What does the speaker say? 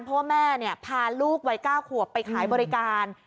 เพราะว่าแม่พาลูกวัย๙ขวบไปขายบริการ